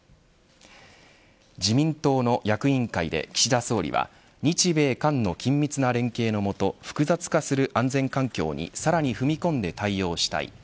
自民党の役員会で岸田総理は日米韓の緊密な連携のもと複雑化する安全環境にさらに踏み込んで対応したい。